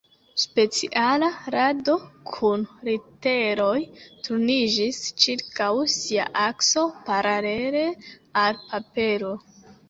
Speciala rado kun literoj turniĝis ĉirkaŭ sia akso paralele al papero.